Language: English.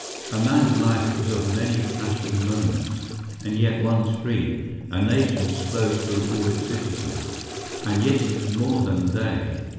A man's life is of many flashing moments, and yet one stream; a nation's flows through all its citizens, and yet is more than they.